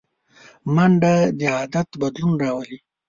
منډه د عادت بدلون راولي